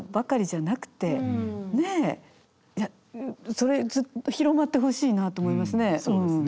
それ広まってほしいなと思いますね。